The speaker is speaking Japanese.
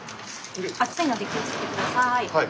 熱いので気をつけて下さい。